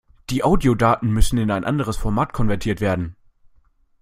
Die Audiodaten müssen in ein anderes Format konvertiert werden.